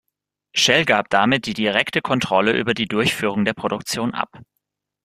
Shell gab damit die direkte Kontrolle über die Durchführung der Produktion ab.